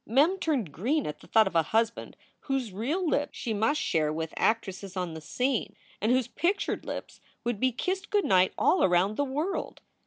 Mem turned green at the thought of a husband whose real lips she must share with actresses on the scene and whose pictured lips would be kissed good night all around the world.